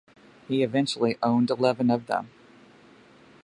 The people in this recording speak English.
He eventually owned eleven of them.